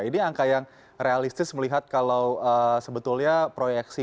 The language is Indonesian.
ini angka yang realistis melihat kalau sebetulnya proyeksi